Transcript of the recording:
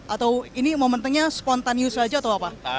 atau ini momennya spontanius saja atau apa